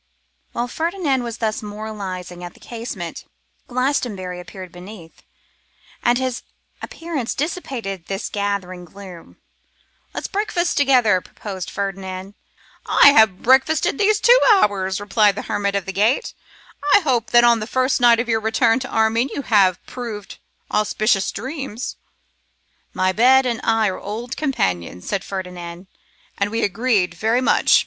While Ferdinand was thus moralising at the casement, Glastonbury appeared beneath; and his appearance dissipated this gathering gloom. 'Let us breakfast together,' proposed Ferdinand. 'I have breakfasted these two hours,' replied the hermit of the gate. 'I hope that on the first night of your return to Armine you have proved auspicious dreams.' 'My bed and I are old companions,' said Ferdinand, 'and we agreed very well.